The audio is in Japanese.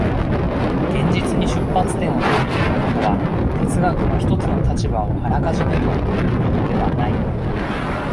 現実に出発点を取るということは、哲学の一つの立場をあらかじめ取るということではない。